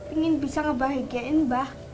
ingin bisa ngebahagiain bah